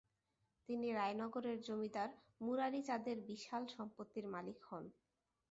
তিনি রায়নগরের জমিদার মুরারীচাঁদের বিশাল সম্পত্তির মালিক হন।